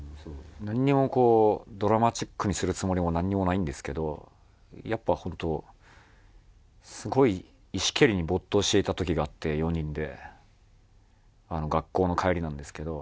なんにもこうドラマチックにするつもりもなんにもないんですけどやっぱ本当すごい石蹴りに没頭していた時があって４人で。